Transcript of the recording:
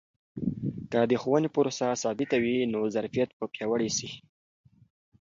که د ښوونې پروسه ثابته وي، نو ظرفیت به پیاوړی سي.